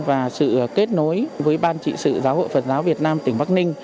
và sự kết nối với ban trị sự giáo hội phật giáo việt nam tỉnh bắc ninh